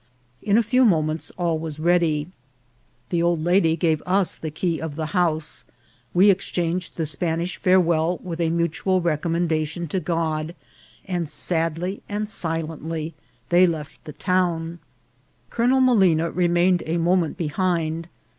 In a few moments all was ready ; the old lady gave us the key of the house, we exchanged the Spanish farewell with a mutual recommendation to God, and sadly and silently they left the town. Colonel Molina remained a moment behind.